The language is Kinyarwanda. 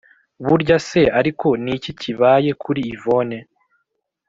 burya se ariko niki kibaye kuri yvone?